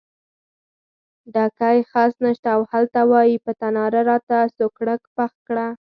ډکی خس نشته او هلته وایې په تناره راته سوکړک پخ کړه.